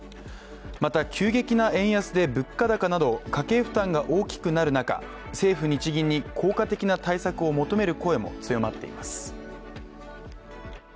また、急激な円安で物価高など家計負担が大きくなる中政府・日銀に効果的な対策を求める声も強まっています。